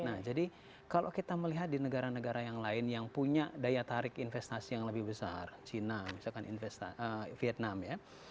nah jadi kalau kita melihat di negara negara yang lain yang punya daya tarik investasi yang lebih besar cina misalkan vietnam ya